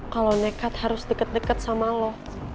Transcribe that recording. kalau nekat harus deket deket sama lo